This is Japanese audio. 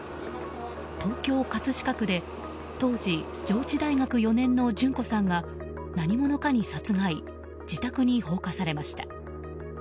東京・葛飾区で当時、上智大学４年の順子さんが何者かに殺害自宅に放火されました。